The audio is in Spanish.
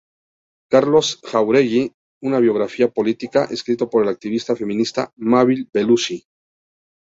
Carlos Jáuregui una biografía política", escrito por la activista feminista Mabel Bellucci.